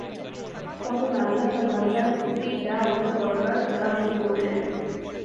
তখন আল্লাহ তার বান্দার প্রতি যা ওহী করবার তা ওহী করলেন।